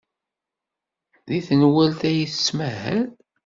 Deg tenwalt ay tettmahal?